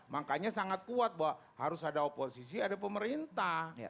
makanya sangat kuat bahwa harus ada oposisi ada pemerintah